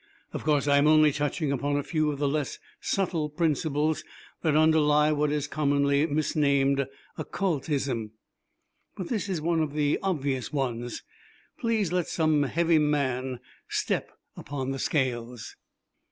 Of course I am only touching upon a few of the less subtle principles that underlie what is commonly misnamed occultism; but this is one of the obvious ones. Please let some heavy man step upon the scales."